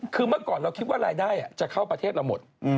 คือเมื่อก่อนเราคิดว่ารายได้จะเข้าประเทศเราหมด